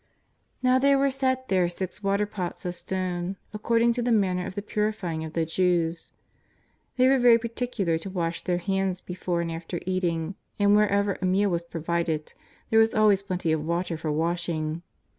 'Now there were set there six water pots of stone, ac cording to the manner of the purifying of the Jews. They were very particular to wash their hands before and after eating, and wherever a meal was provided there was always plenty of water for washing.